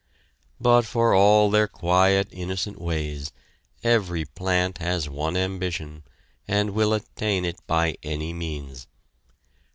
But for all their quiet innocent ways, every plant has one ambition and will attain it by any means.